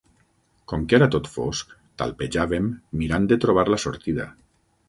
Com que era tot fosc, talpejàvem mirant de trobar la sortida.